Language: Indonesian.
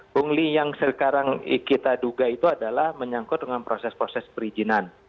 pungli yang sekarang kita duga itu adalah menyangkut dengan proses proses perizinan